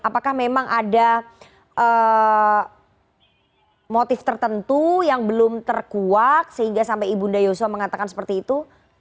apakah memang ada motif tertentu yang belum terkuak sehingga sampai ibu nda yosua mengatakan seperti itu